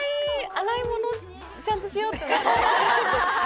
洗い物、ちゃんとしようっと。